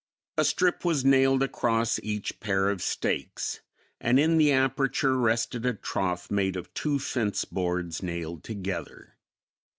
A strip was nailed across each pair of stakes, and in the aperture rested a trough made of two fence boards nailed together.